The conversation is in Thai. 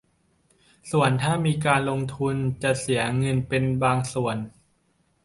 ส่วนถ้ามีการลงทุนจะเสียเงินเป็นบางส่วน